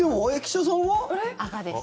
赤です。